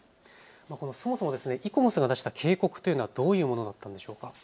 そもそもイコモスが出した警告というのはどういうものだったんでしょうか。